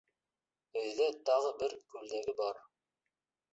Өйҙә тағы бер күлдәге бар.